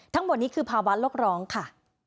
ทั้งหมดนี้คือภาวะโลกร้องค่ะ